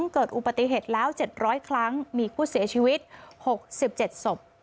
เกิดอุบัติเหตุแล้ว๗๐๐ครั้งมีผู้เสียชีวิต๖๗ศพ